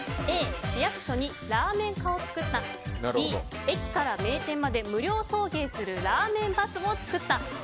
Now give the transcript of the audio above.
Ａ、市役所にラーメン課を作ったＢ、駅から名店まで無料送迎するラーメンバスを作った。